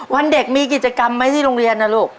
วันเด็กมีกิจกรรมไหมที่โรงเรียนนะลูก